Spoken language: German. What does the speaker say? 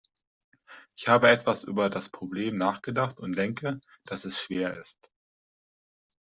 Ich habe etwas über das Problem nachgedacht und denke, dass es schwer ist.